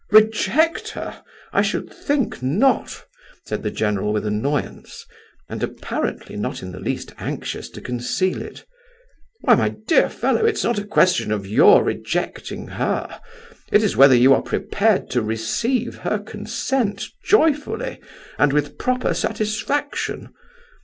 "Reject her! I should think not!" said the general with annoyance, and apparently not in the least anxious to conceal it. "Why, my dear fellow, it's not a question of your rejecting her, it is whether you are prepared to receive her consent joyfully, and with proper satisfaction.